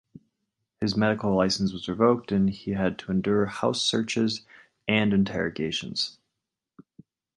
His medical license was revoked and he had to endure house searches and interrogations.